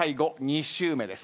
２周目です。